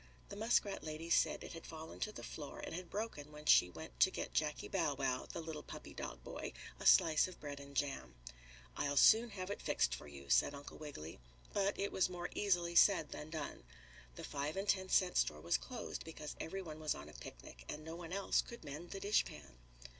The muskrat lady said it had fallen to the floor and had broken when she went to get Jackie Bow Wow, the little puppy dog boy a slice of bread and jam. "I'll soon have it fixed for you," said Uncle Wiggily. But it was more easily said than done. The five and ten cent store was closed because every one was on a picnic, and no one else could mend the dishpan.